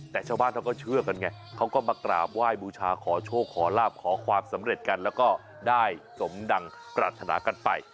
แต่ชาวบ้านเขาก็เชื่อกันไงเขาก็มากราบไหว้บูชาขอโชคขอลาบขอความสำเร็จกันแล้วก็ได้สมดังปรารถนากันไป